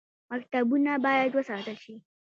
مکتبونه باید وساتل شي